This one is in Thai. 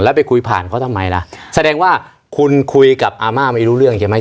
แล้วไปคุยผ่านเขาทำไมล่ะแสดงว่าคุณคุยกับอาม่าไม่รู้เรื่องใช่ไหม